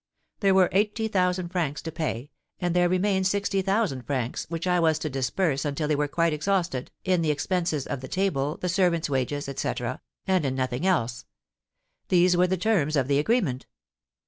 There were eighty thousand francs to pay, and there remained sixty thousand francs which I was to disburse until they were quite exhausted, in the expenses of the table, the servants' wages, etc., and in nothing else. These were the terms of the agreement."